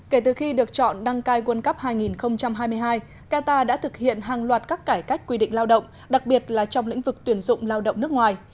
kể từ khi được chọn đăng cai quân cấp hai nghìn hai mươi hai qatar đã thực hiện hàng loạt các cải cách quy định lao động đặc biệt là trong lĩnh vực tuyển dụng lao động nước ngoài